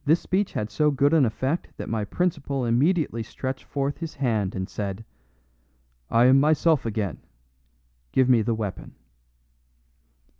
This speech had so good an effect that my principal immediately stretched forth his hand and said, "I am myself again; give me the weapon."